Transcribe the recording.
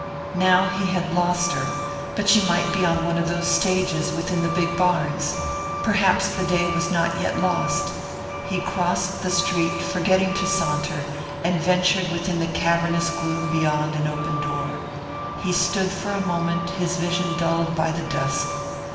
Now he had lost her. But she might be on one of those stages within the big barns. Perhaps the day was not yet lost. He crossed the street, forgetting to saunter, and ventured within the cavernous gloom beyond an open door. He stood for a moment, his vision dulled by the dusk.